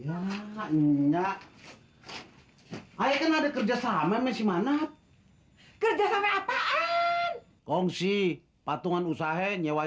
ya enak ayah kan ada kerjasama mesi mana kerjasama apaan kongsi patungan usahanya